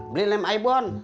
beli lem ibon